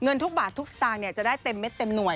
ทุกบาททุกสตางค์จะได้เต็มเม็ดเต็มหน่วย